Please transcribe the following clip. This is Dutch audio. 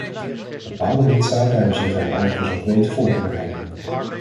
Bepaalde lidstaten hebben zich er overigens op weten voor te bereiden.